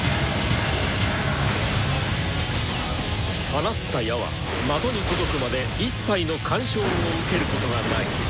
放った矢は的に届くまで一切の干渉を受けることがない。